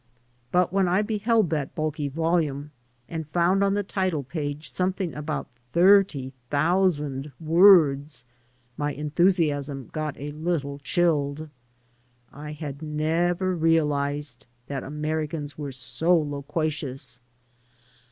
But when I beheld that bulky volume, and found on the title page something about thirty thousand words, my enthusiasm got a little chilled. I had never realized that Americans were so loquacious.